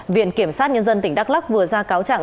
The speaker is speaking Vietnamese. viện kiểm sát nhân dân tỉnh đắk lắc vừa ra cáo trạng